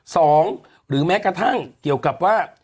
หรือแม้กระทั่งเกี่ยวกับว่า